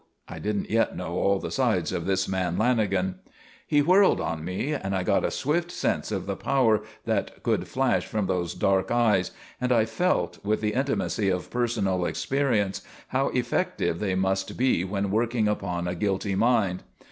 I didn't yet know all the sides of this man Lanagan. He whirled on me: and I got a swift sense of the power that could flash from those dark eyes, and I felt, with the intimacy of personal experience, how effective they must be when working upon a guilty mind.